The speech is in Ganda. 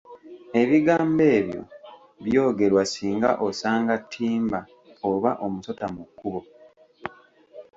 Ebigambo ebyo byogerwa singa osanga ttimba oba omusota mu kkubo.